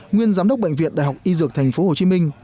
nguyên giám đốc bệnh viện đại học y dược tp hcm